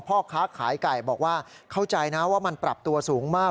พ่อค้าขายไก่บอกว่าเข้าใจนะว่ามันปรับตัวสูงมาก